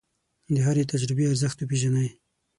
د هرې تجربې ارزښت وپېژنئ.